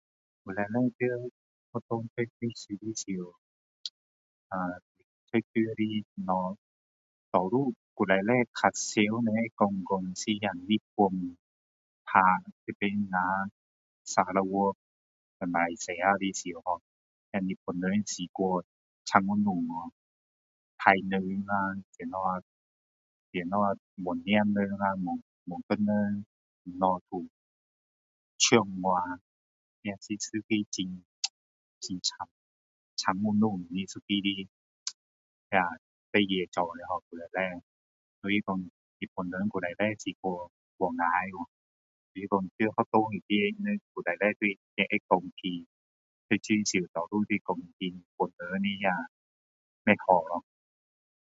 以前在学校读历史时读到的东西多数以前的人很常会说是那日本打这边我们沙捞越和马来西亚时那日本人是太残忍砍热人啊什么随便抓人啊随便把人的东西都抢掉啊那是一个很残残忍的一个的事情所以说以前日本人实在太坏了所以说在学校里他们以前大多数都会讲日本人的不好咯